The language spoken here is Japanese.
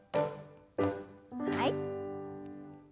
はい。